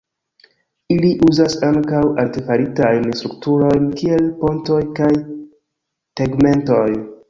Ili uzas ankaŭ artefaritajn strukturojn kiel pontoj kaj tegmentoj.